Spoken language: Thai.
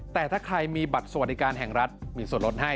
แต่ถ้าใครมีบัตรสวัสดิการแห่งรัฐมีส่วนลดให้